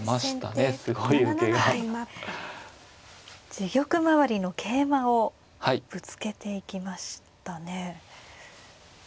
自玉まわりの桂馬をぶつけていきましたね。